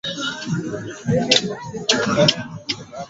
Katumbi ni presidenti wa timu ya TP mazembe